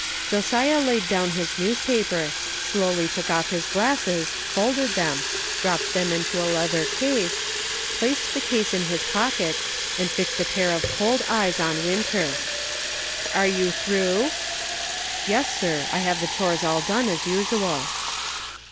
Josiah laid down his newspaper, slowly took off his glasses, folded them, dropped them into the leather case, placed the case in his pocket, and fixed a pair of cold eyes on Winter. " Are you through }"" Yes, sir ; I have the chores all done, as usual."